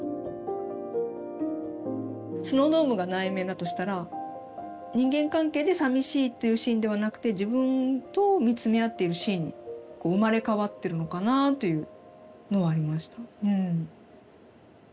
スノードームが内面だとしたら人間関係でさみしいというシーンではなくて自分と見つめ合っているシーンに生まれ変わってるのかなというのはありました。